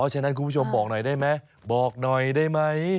ฉะนั้นคุณผู้ชมบอกหน่อยได้มั้ย